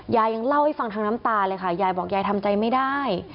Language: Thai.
ยังเล่าให้ฟังทั้งน้ำตาเลยค่ะยายบอกยายทำใจไม่ได้